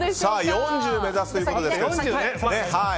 ４０目指すということですが。